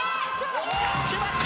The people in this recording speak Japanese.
決まった！